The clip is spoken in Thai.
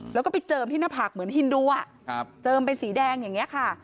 แล้วก็ไปเจิมที่หน้าผากเหมือนฮินดูเจิมเป็นสีแดงอย่างนี้ค่ะ